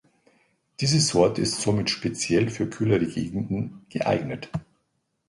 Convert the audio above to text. Diese Sorte ist somit speziell für kühlere Gegenden geeignet.